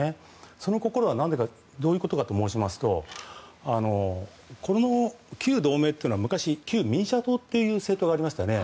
その心はどういうことかと申しますとこの旧同盟というのは旧民社党という政党がありましたね。